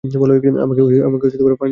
আমাকে ফার্নিচার মনে করো?